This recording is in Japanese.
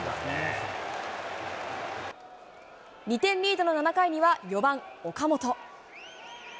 ２点リードの７回には４番・岡本。